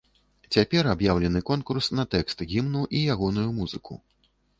Цяпер аб'яўлены конкурс на тэкст гімну і ягоную музыку.